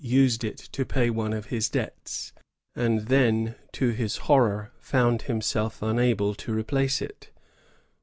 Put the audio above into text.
[166a used it to pay one of his debts; and then, to his horror, found himself unable to replace it.